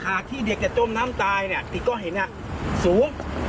ขาดที่เด็กจะจ้มน้ำตายเนี้ยที่ก็เห็นน่ะสูง